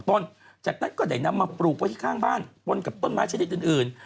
ต้นจากนั้นก็ได้นำมาปลูกไว้ที่ข้างบ้านปนกับต้นไม้ชนิดอื่น